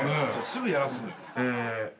すぐやらすのよ。